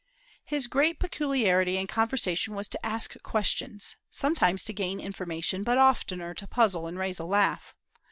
His great peculiarity in conversation was to ask questions, sometimes to gain information, but oftener to puzzle and raise a laugh.